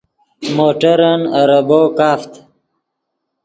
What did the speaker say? موٹرن اریبو کافت